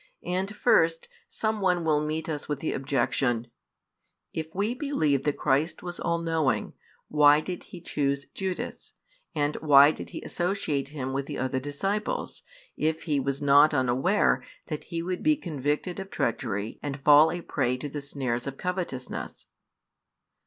And first, some one will meet us with the objection: "If we believe that Christ was all knowing, why did He choose Judas; and why did He associate him with the other disciples, if He was not unaware that he would be convicted of treachery and fall a prey to the snares of covetousness?"